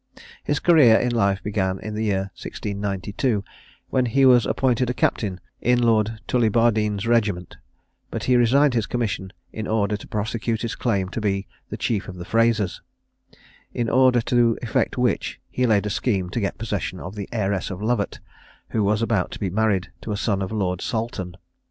His career in life began in the year 1692, when he was appointed a captain in Lord Tullibardine's regiment, but he resigned his commission in order to prosecute his claim to be the Chief of the Frasers; in order to effect which, he laid a scheme to get possession of the heiress of Lovat, who was about to be married to a son of Lord Salton.